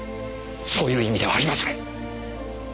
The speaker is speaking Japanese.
そういう意味ではありません！